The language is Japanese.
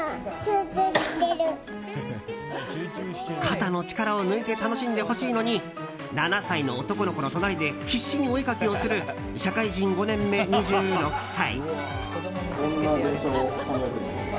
肩の力を抜いて楽しんでほしいのに７歳の男の子の隣で必死にお絵かきをする社会人５年目、２６歳。